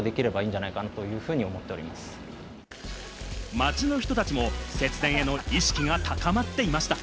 街の人たちも節電への意識が高まっていました。